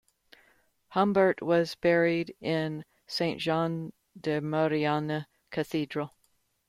Humbert was buried in Saint-Jean-de-Maurienne Cathedral.